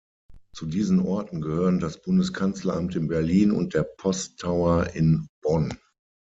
Zu diesen Orten gehören das Bundeskanzleramt in Berlin und der Post Tower in Bonn.